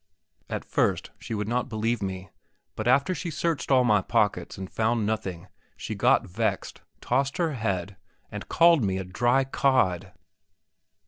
At first she would not believe me; but after she had searched all my pockets, and found nothing, she got vexed, tossed her head, and called me a dry cod.